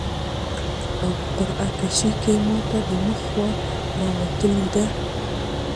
او په قرعه کشي کي ماته د مخ خوا راوتلي ده